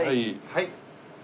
はい。